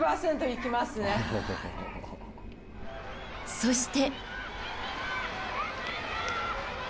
そして。